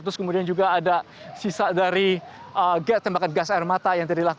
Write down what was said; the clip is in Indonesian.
terus kemudian juga ada sisa dari tembakan gas air mata